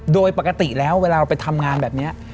โดยปกติแล้วเวลาเราไปทำงานแบบนี้